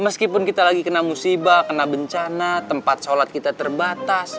meskipun kita lagi kena musibah kena bencana tempat sholat kita terbatas